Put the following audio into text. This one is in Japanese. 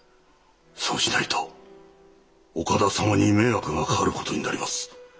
そうしないと岡田様に迷惑がかかる事になります。